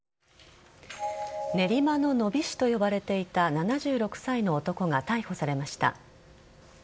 練馬のノビ師と呼ばれていた７６歳の男が逮捕されました。